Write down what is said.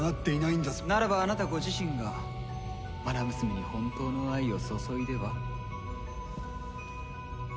ならばあなたご自身が愛娘に本当の愛を注いでは？